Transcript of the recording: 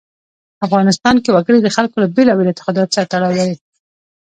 افغانستان کې وګړي د خلکو له بېلابېلو اعتقاداتو سره تړاو لري.